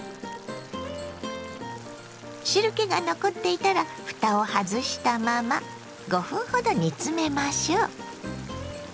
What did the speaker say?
汁けが残っていたらふたを外したまま５分ほど煮詰めましょ。